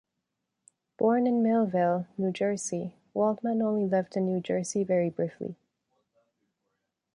Born in Millville, New Jersey, Waldman only lived in New Jersey very briefly.